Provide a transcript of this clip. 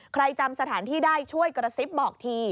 จำสถานที่ได้ช่วยกระซิบบอกที